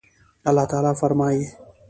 الله تعالى فرمايي